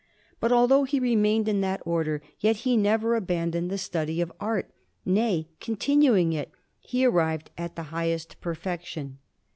But although he remained in that Order, yet he never abandoned the study of art; nay, continuing it, he arrived at the highest perfection.